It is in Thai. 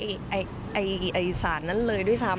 ไอสารนั้นเลยด้วยซัม